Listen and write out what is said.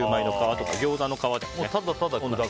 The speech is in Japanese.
ギョーザの皮でもね。